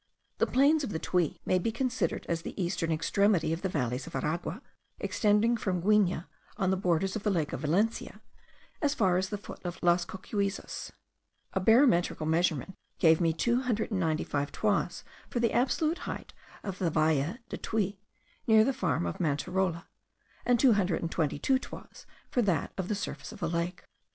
The plains of the Tuy may be considered as the eastern extremity of the valleys of Aragua, extending from Guigne, on the borders of the lake of Valencia, as far as the foot of Las Cocuyzas. A barometrical measurement gave me 295 toises for the absolute height of the Valle del Tuy, near the farm of Manterola, and 222 toises for that of the surface of the lake.